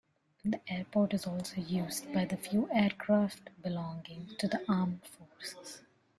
The airport is also used by the few aircraft belonging to the armed forces.